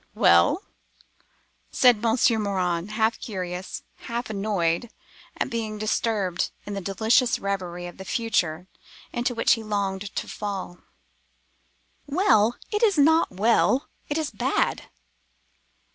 "'Well?' said Monsieur Morin, half curious, half annoyed at being disturbed in the delicious reverie of the future into which he longed to fall. "'Well! It is not well. It is bad.